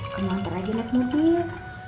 kamu antar aja ma ke mobil